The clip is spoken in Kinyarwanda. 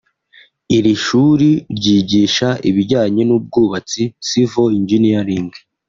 Iri shuri ryigisha ibijyanye n’ubwubatsi “Civil engineering”